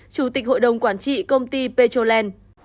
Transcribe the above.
chủ tịch hội đồng quản trị công ty petrolen